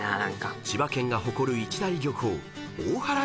［千葉県が誇る一大漁港］